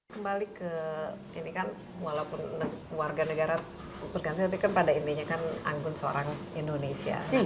kembali ke ini kan walaupun warga negara bergantian tapi kan pada intinya kan anggun seorang indonesia